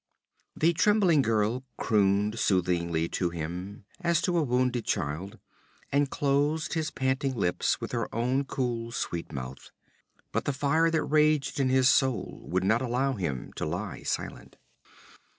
The trembling girl crooned soothingly to him, as to a wounded child, and closed his panting lips with her own cool sweet mouth. But the fire that raged in his soul would not allow him to lie silent.